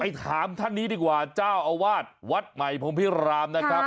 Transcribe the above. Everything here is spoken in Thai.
ถามท่านนี้ดีกว่าเจ้าอาวาสวัดใหม่พรมพิรามนะครับ